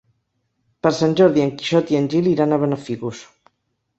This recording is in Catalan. Per Sant Jordi en Quixot i en Gil iran a Benafigos.